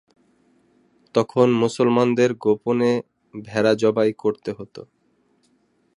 তখন মুসলমানদের গোপনে ভেড়া জবাই করতে হতো।